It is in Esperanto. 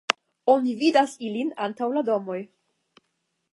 Oni vidas ilin antaŭ la domoj.